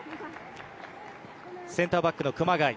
センターバックの熊谷。